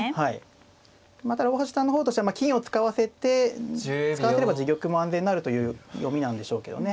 まあただ大橋さんの方としては金を使わせれば自玉も安全になるという読みなんでしょうけどね。